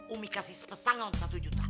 umi kasih pesangon satu juta